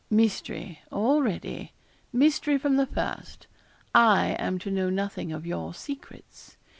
'Mystery already mystery from the first. I am to know nothing of your secrets.